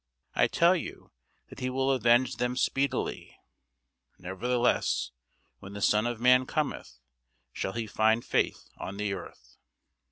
I tell you that he will avenge them speedily. Nevertheless when the Son of man cometh, shall he find faith on the earth?